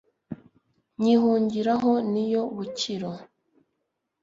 nyihungiraho ni yo mukiro + r